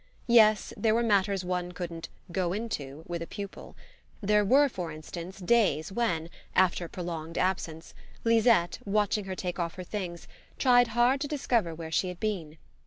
Yes, there were matters one couldn't "go into" with a pupil. There were for instance days when, after prolonged absence, Lisette, watching her take off her things, tried hard to discover where she had been.